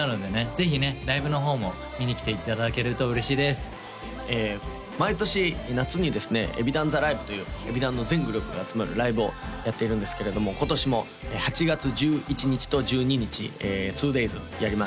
ぜひねライブの方も見に来ていただけると嬉しいです毎年夏にですねＥＢｉＤＡＮＴＨＥＬＩＶＥというＥＢｉＤＡＮの全グループが集まるライブをやっているんですけれども今年も８月１１日と１２日２デイズやります